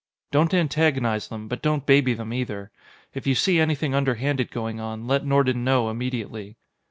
Don't antagonize them, but don't baby them, either. If you see anything underhanded going on, let Nordon know immediately."